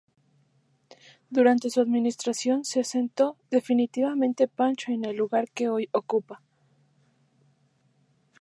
Durante su administración se asentó definitivamente Pacho en el lugar que hoy ocupa.